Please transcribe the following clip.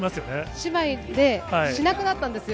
姉妹でしなくなったんですよ。